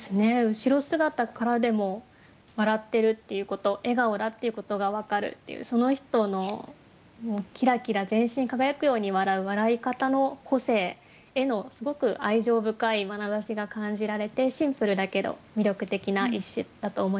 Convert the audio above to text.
後ろ姿からでも笑ってるっていうこと笑顔だっていうことが分かるっていうその人のキラキラ全身輝くように笑う笑い方の個性へのすごく愛情深いまなざしが感じられてシンプルだけど魅力的な一首だと思います。